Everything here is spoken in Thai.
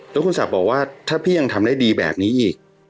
แล้วคุณศักดิ์บอกว่าถ้าพี่ยังทำได้ดีแบบนี้อีก